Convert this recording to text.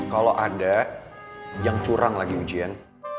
kalau ada yang curang lagi ujian